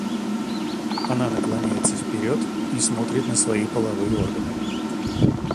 Она наклоняется вперёд и смотрит на свои половые органы.